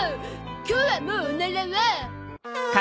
今日はもうオナラは。